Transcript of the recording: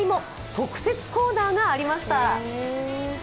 特設コーナーがありました。